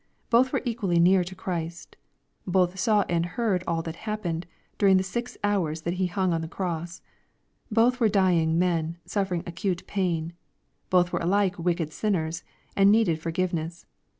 Both were equally near to Christ. Both saw and heard all that happened^ during the six hours that He LuDg on the cross. Both were dying men, and sufl'ering acute pain. Both were alike wicked sinners, and needed forgiveness.